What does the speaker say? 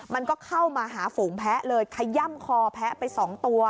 มันก็เข้ามาหาฝูงแพ้เลยขย่ำคอแพ้ไปสองตัว